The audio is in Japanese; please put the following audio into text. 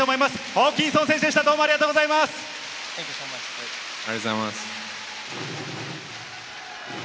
ホーキンソン選手でした、どうもありがとうございます。